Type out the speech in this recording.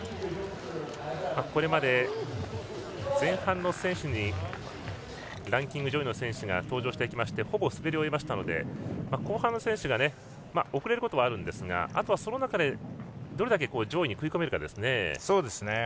これまで前半にランキング上位の選手が登場してきてほぼ滑り終えたので後半の選手が遅れることはあるんですがあとは、その中でどれだけ上位に食い込めるか。